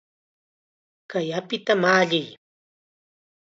¡Kay apita malliy!